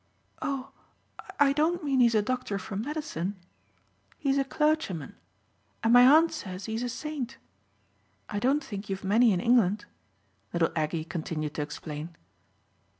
"Oh I don't mean he's a doctor for medicine. He's a clergyman and my aunt says he's a saint. I don't think you've many in England," little Aggie continued to explain.